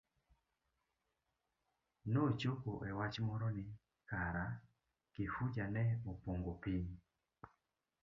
Nochopo e wach moro ni kara Kifuja ne opongo piny.